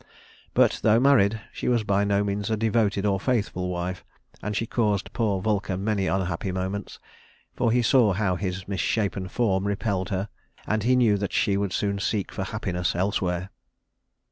But though married, she was by no means a devoted or faithful wife, and she caused poor Vulcan many unhappy moments; for he saw how his misshapen form repelled her, and he knew that she would soon seek for happiness elsewhere.